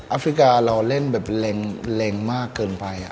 อาฟิกาเราเล่นแรงมากเกินไป